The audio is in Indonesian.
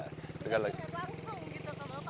jadi langsung gitu kalau pak ya